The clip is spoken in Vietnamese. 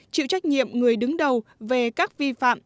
chịu trách nhiệm người đứng đầu về các vi phạm